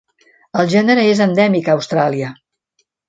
El gènere és endèmic a Austràlia.